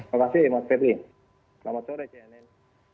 terima kasih pak pepe selamat sore cnn